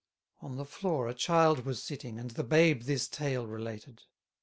On the floor a child was sitting, And the babe this tale related.